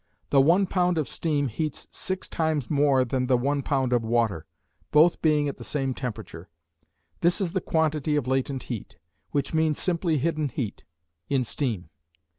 The one pound of steam heats six times more than the one pound of water, both being at the same temperature. This is the quantity of latent heat, which means simply hidden heat, in steam.